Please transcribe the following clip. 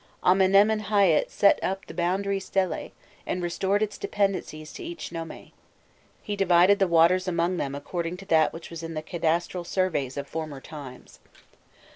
Amenemhâît set up again the boundary stelae, and restored its dependencies to each nome: "He divided the waters among them according to that which was in the cadastral surveys of former times."